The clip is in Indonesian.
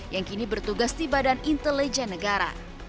yang kini bertugas di badan intelijen negara